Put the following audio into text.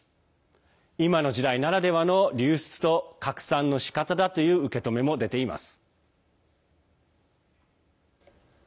今の時代ならではの流出と拡散のしかただという受け止めも出ています。